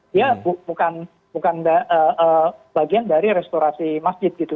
dia bukan bagian dari restorasi masjid gitu